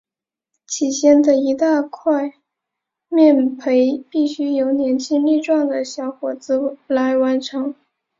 起先的一大块面培必须由年轻力壮的小伙子来完成。